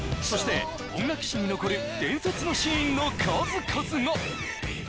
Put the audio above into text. そして音楽史に残る伝説のシーンの数々が！